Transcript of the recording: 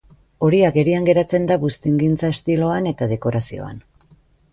Hori agerian geratzen da buztingintza estiloan eta dekorazioan.